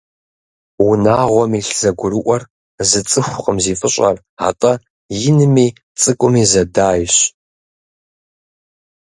Унагъуэм илъ зэгурыӏуэр зы цӏыхукъым зи фӏыщӏэр, атӏэ инми цӏыкӏуми зэдайщ.